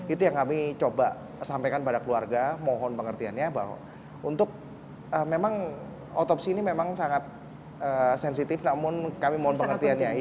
itu yang kami coba sampaikan pada keluarga mohon pengertiannya bahwa untuk memang otopsi ini memang sangat sensitif namun kami mohon pengertiannya